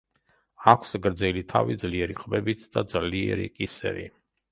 აქვს გრძელი თავი ძლიერი ყბებით და ძლიერი კისერი.